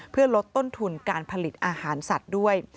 เพื่อลดต้นทุนการผลิตอาหารสัตว์ด้วย